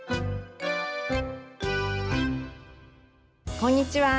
こんにちは。